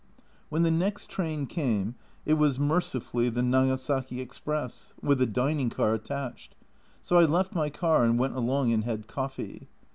When the next train came it was mercifully the 208 A Journal from Japan Nagasaki express, with a dining car attached, so I left my car and went along and had coffee.